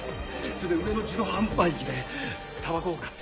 それで上の自動販売機でたばこを買って。